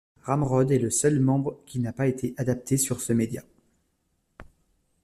Ramrod est le seul membre qui n'a pas été adapté sur ce média.